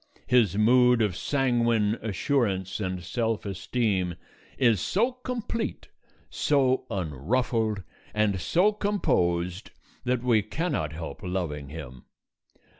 His mood of sanguine assurance and self esteem is so complete, so unruffled, and so composed that we cannot help loving him.